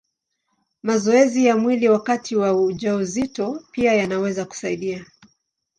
Mazoezi ya mwili wakati wa ujauzito pia yanaweza kusaidia.